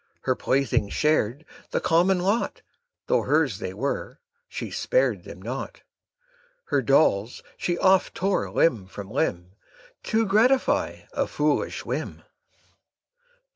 Her playthings shared the common lot; Though hers they were, she spared them not, Her dolls she oft tore limb from limb, To gratify a foolish whim.